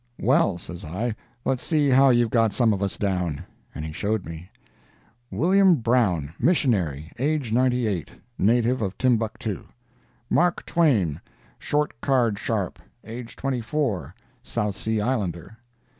'Well,' says I, 'let's see how you've got some of us down.' And he showed me: "'Wm. Brown.—Missionary—age, 98—native of Timbuctoo. "'Mark Twain—Short card sharp—age, 24—South Sea Islander.